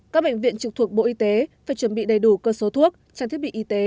các bệnh viện trực thuộc bộ y tế phải chuẩn bị đầy đủ cơ số thuốc trang thiết bị y tế